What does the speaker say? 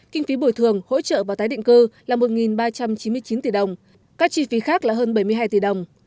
kinh phí bồi thường hỗ trợ và tái định cư là một ba trăm chín mươi chín tỷ đồng các chi phí khác là hơn bảy mươi hai tỷ đồng